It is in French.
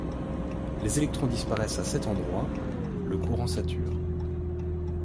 Les électrons disparaissent à cet endroit, le courant sature.